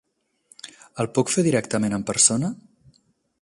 El puc fer directament en persona?